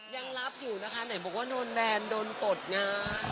ยังรับอยู่นะคะไหนบอกว่าโดนแบนโดนปลดนะ